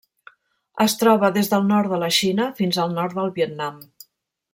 Es troba des del nord de la Xina fins al nord del Vietnam.